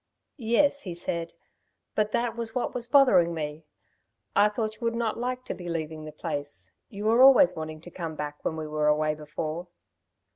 "Yes," he said, "but that was what was bothering me. I thought you would not like to be leaving the place. You were always wanting to come back when we were away before."